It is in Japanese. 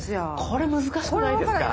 これ難しくないですか？